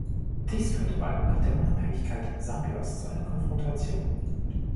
Dies führte bald nach der Unabhängigkeit Sambias zu einer Konfrontation.